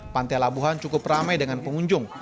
pantai labuhan cukup ramai dengan pengunjung